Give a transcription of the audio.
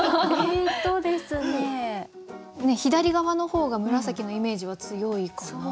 左側の方が紫のイメージは強いかな？